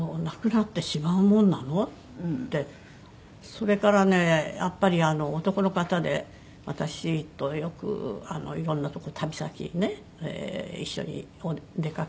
それからねやっぱり男の方で私とよくいろんなとこ旅先ね一緒に出かけて。